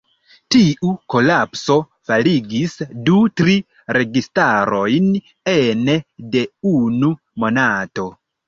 Tiu kolapso faligis du-tri registarojn ene de unu monato.